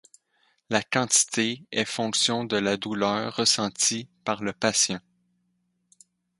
La quantité est fonction de la douleur ressentie par le patient.